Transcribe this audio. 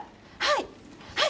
はい、